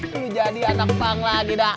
lu jadi anak pang lagi dah